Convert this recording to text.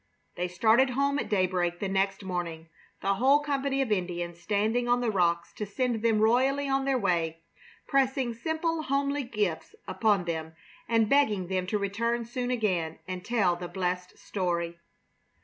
They started home at daybreak the next morning, the whole company of Indians standing on the rocks to send them royally on their way, pressing simple, homely gifts upon them and begging them to return soon again and tell the blessed story.